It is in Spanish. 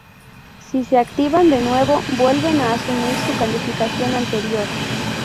Si se activan de nuevo, vuelven a asumir su calificación anterior.